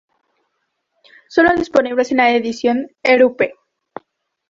Solo disponibles en la edición europe.